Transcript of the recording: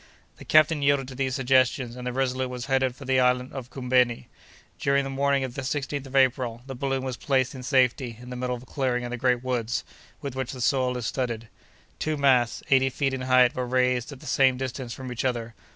The captain yielded to these suggestions, and the Resolute was headed for the island of Koumbeni. During the morning of the 16th April, the balloon was placed in safety in the middle of a clearing in the great woods, with which the soil is studded. Two masts, eighty feet in height, were raised at the same distance from each other.